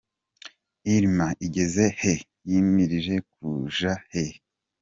Irma igeze he? Yimirije kuja he? .